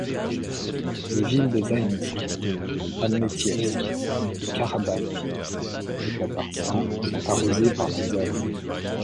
Les villes de Zaïnsk, Almetievsk et Karabach, au Tatarstan, sont arrosées par la Zaï.